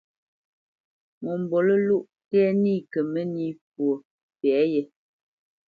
Ŋo mbolə́ndóʼ tɛ́ nî kə mə́nī wě fwo pɛ yé.